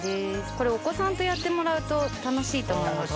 これお子さんとやってもらうと楽しいと思いますよ。